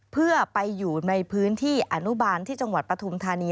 เพื่อไปอยู่ในพื้นที่อนุบาลที่จังหวัดปฐุมธานี